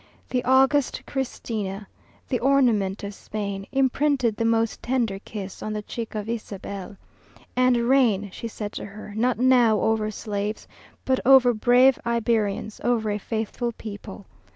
The august Christina, The ornament of Spain, Imprinted the most tender kiss On the cheek of Isabel. And "Reign," she said to her, "Not now over slaves, But over brave Iberians, Over a faithful people!"